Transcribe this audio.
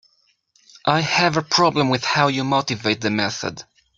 I have a problem with how you motivate the method.